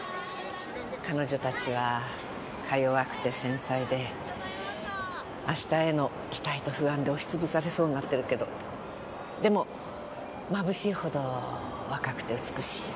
彼女達はか弱くて繊細で明日への期待と不安で押し潰されそうになってるけどでもまぶしいほど若くて美しい。